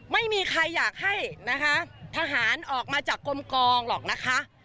ไม่มีใครอยากให้นะคะทหารออกมาจากกลมกองหรอกนะคะ